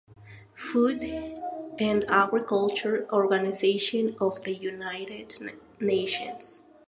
Food and Agriculture Organization of the United Nations.